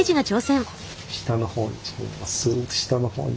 下の方にスッと下の方に。